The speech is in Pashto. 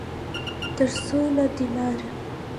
ترڅوله دې لارې